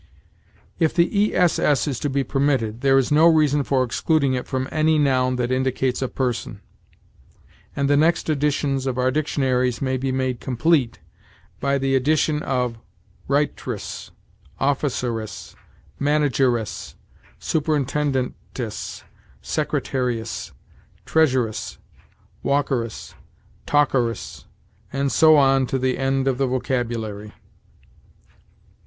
"If the ess is to be permitted, there is no reason for excluding it from any noun that indicates a person; and the next editions of our dictionaries may be made complete by the addition of writress, officeress, manageress, superintendentess, secretaryess, treasureress, walkeress, talkeress, and so on to the end of the vocabulary."